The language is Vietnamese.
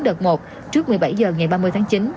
đợt một trước một mươi bảy h ngày ba mươi tháng chín